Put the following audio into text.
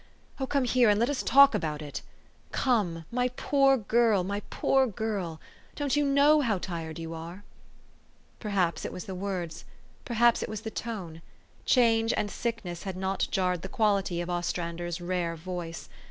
Oh, come here, and let us talk about it! 424 THE STORY OF AVIS. Come, my poor girl, poor girl ! Don't you "know how tired you are?" Perhaps it was the words ; perhaps it was the tone. Change and sickness had not jarred the quality of Ostrander's rare voice.